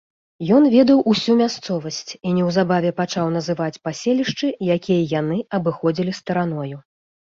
Ён ведаў усю мясцовасць і неўзабаве пачаў называць паселішчы, якія яны абыходзілі стараною.